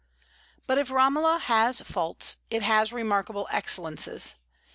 But if "Romola" has faults, it has remarkable excellences.